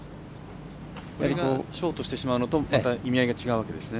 ショートしてしまうのと意味合いが違うわけですね。